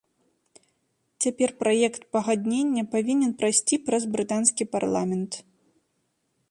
Цяпер праект пагаднення павінен прайсці праз брытанскі парламент.